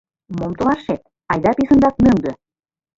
Мом толашет, айда писынрак мӧҥгӧ.